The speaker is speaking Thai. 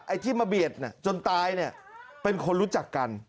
ที่มาเบียดจนตายเนี่ยเป็นคนรู้จักกัน